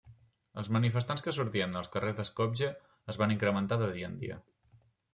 Els manifestants que sortien als carrers de Skopje es van incrementar de dia en dia.